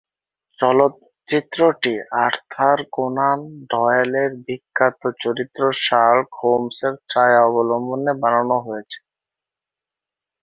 চলচ্চিত্র টি Arthur Conan Doyle এর বিখ্যাত চরিত্র শার্লক হোমস এর ছায়া অবলম্বনে বানানো হয়েছে।